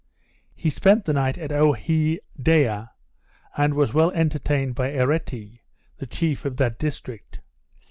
He spent the night at Ohedea, and was well entertained by Ereti, the chief of that district.